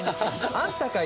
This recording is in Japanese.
「あんたかい」